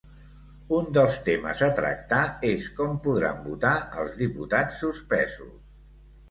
Un dels temes a tractar és com podran votar els diputats suspesos